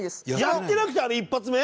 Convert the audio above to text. やってなくてあれ１発目？